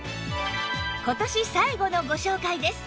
今年最後のご紹介です